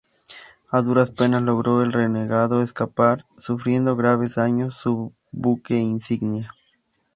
A duras penas logró el renegado escapar, sufriendo graves daños su buque insignia.